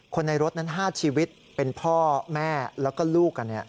คนในรถนั้น๕ชีวิตเป็นพ่อแม่และลูก